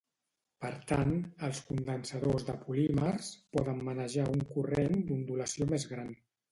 Per tant, els condensadors de polímers poden manejar un corrent d'ondulació més gran.